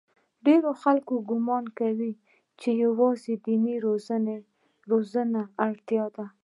ډېرو خلکو ګومان کاوه چې یوازې د دیني روزنې اړتیا ده.